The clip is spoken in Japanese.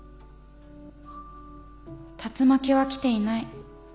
竜巻は来ていない。